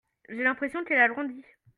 j'ai l'impression qu'elle a grandie.